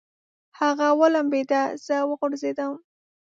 هغه ولمبېده، زه وغورځېدم.